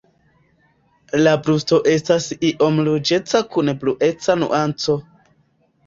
La brusto estas iom ruĝeca kun blueca nuanco.